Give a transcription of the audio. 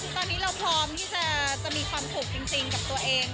ตอนนี้เราพร้อมที่จะมีความสุขจริงกับตัวเอง